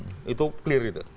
jadi untuk pendirian rumah ibadah